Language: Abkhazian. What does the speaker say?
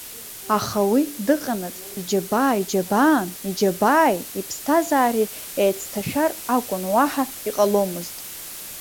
Аха уи дыҟанаҵ иџьабаа иџьабаан, иџьабааи иԥсҭазаареи еицҭашәар акәын, уаҳа иҟаломызт.